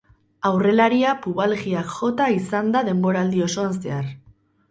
Aurrelaria pubalgiak jota izan da denboraldi osoan zehar.